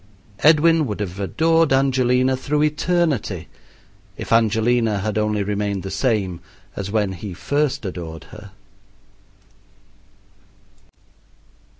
Edwin would have adored Angelina through eternity if Angelina had only remained the same as when he first adored her.